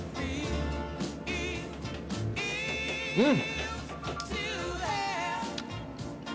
うん！